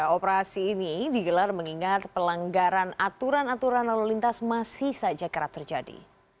operasi ini digelar mengingat pelanggaran aturan aturan lalu lintas masih saja kerap terjadi